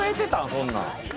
そんなん。